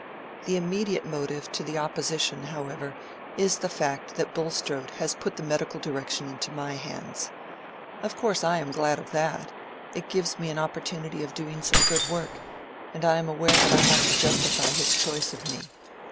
The immediate motive to the opposition, however, is the fact that Bulstrode has put the medical direction into my hands. Of course I am glad of that. It gives me an opportunity of doing some good work,—and I am aware that I have to justify his choice of me.